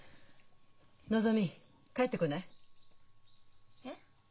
のぞみ帰ってこない？えっ？